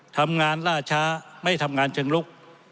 ทำงานล่าช้าไม่ทำงานเชิงลุก